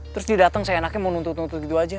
terus didateng saya enaknya mau nuntut nuntut gitu aja